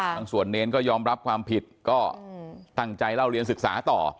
บางส่วนเนรก็ยอมรับความผิดก็ตั้งใจเล่าเรียนศึกษาต่อ